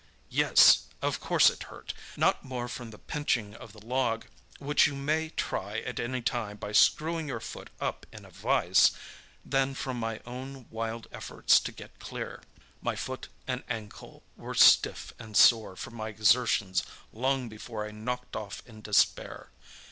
Yes, of course it hurt—not more from the pinching of the log, which you may try any time by screwing your foot up in a vice, than from my own wild efforts to get clear. My foot and ankle were stiff and sore from my exertions long before I knocked off in despair.